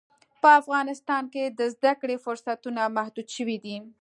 په افغانستان کې د زده کړې فرصتونه محدود شوي دي.